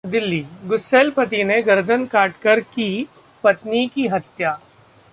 दिल्लीः गुस्सैल पति ने गर्दन काटकर की पत्नी की हत्या